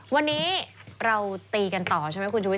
วันนี้เราตีกันต่อใช่ไหมคุณชุวิต